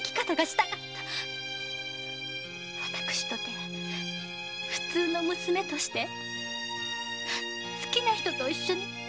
私とて普通の娘として好きな人と一緒に思いをとげたい。